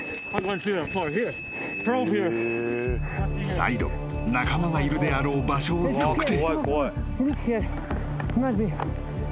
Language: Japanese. ［再度仲間がいるであろう場所を特定］